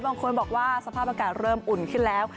บางคนบอกว่าสภาพอากาศเริ่มอุ่นขึ้นแล้ว